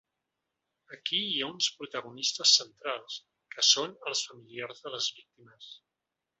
Aquí hi ha uns protagonistes centrals que són els famílies de les víctimes.